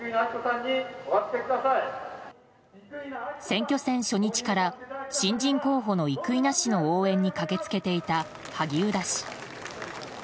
選挙戦初日から新人候補の生稲氏の応援に駆け付けていた萩生田氏。